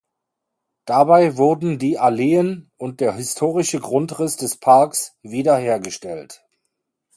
Dabei wurden die Alleen und der historische Grundriss des Parks wiederhergestellt.